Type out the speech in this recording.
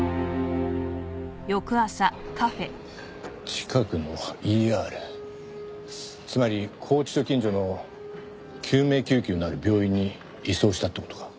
近くのＥＲつまり拘置所近所の救命救急のある病院に移送したって事か。